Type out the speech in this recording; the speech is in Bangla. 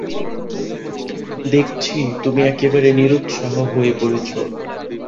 দেখছি, তুমি একেবারে নিরুৎসাহ হয়ে পড়েছ।